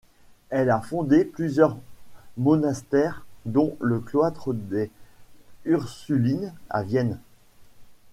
Elle a fondé plusieurs monastères, dont le cloître des Ursulines à Vienne.